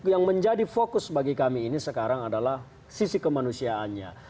yang menjadi fokus bagi kami ini sekarang adalah sisi kemanusiaannya